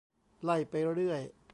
ไล่ไปเรื่อย